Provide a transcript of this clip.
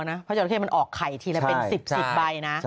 เพราะจราเข้มันออกไข่ทีละเป็น๑๐๑๐ใบนะ